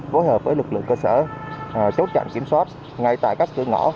phối hợp với lực lượng cơ sở chốt chặn kiểm soát ngay tại các cửa ngõ